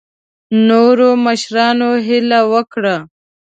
نورو مشرانو هیله وکړه.